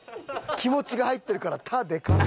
気持ちが入ってるから「た」でかっ！